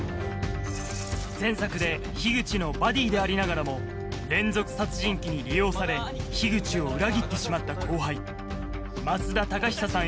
前作で樋口のバディでありながらも連続殺人鬼に利用され樋口を裏切ってしまった後輩増田貴久さん